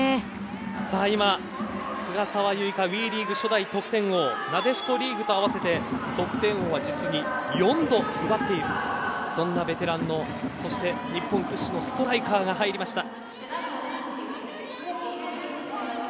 優衣香ＷＥリーグ初代得点王なでしこリーグと合わせて得点王を実に４度奪っている、そんなベテランのそして日本屈指のストライカーが入りました。